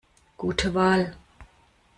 Gute Wahl!